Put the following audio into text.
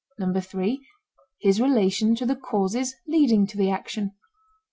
(3) His relation to the causes leading to the action.